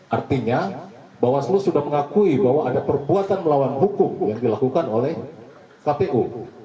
artinya bawaslu sudah mengakui bahwa ada perbuatan melawan hukum yang dilakukan oleh kpu